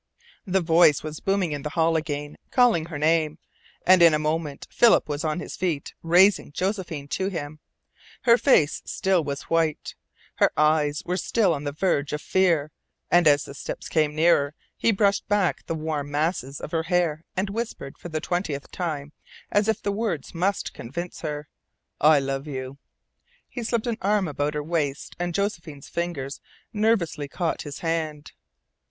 The voice was booming in the hall again, calling her name, and in a moment Philip was on his feet raising Josephine to him. Her face still was white. Her eyes were still on the verge of fear, and as the steps came nearer he brushed back the warm masses of her hair and whispered for the twentieth time, as if the words must convince her: "I love you!" He slipped an arm about her waist, and Josephine's fingers nervously caught his hand.